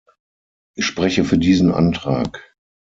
Ich spreche für diesen Antrag.